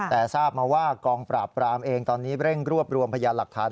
แต่ทราบมาว่ากองปราบปรามเองตอนนี้เร่งรวบรวมพยานหลักฐาน